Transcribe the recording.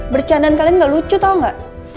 bercandaan kalian gak lucu tau gak